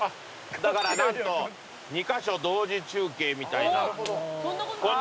だからなんと２カ所同時中継みたいな。